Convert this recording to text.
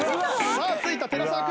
さあついた寺澤君。